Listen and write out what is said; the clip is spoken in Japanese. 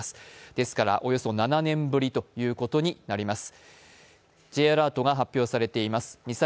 ですから、およそ７年ぶりとなります。